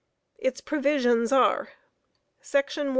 Its provisions are: Section 1.